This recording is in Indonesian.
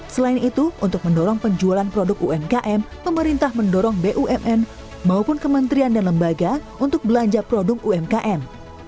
selain itu untuk mendorong penjualan produk umkm pemerintah mendorong bumn maupun kementerian dan lembaga untuk belanja produk umkm